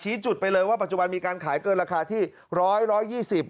ชี้จุดไปเลยว่าปัจจุบันมีการขายเกินราคาที่๑๐๐๑๒๐บาท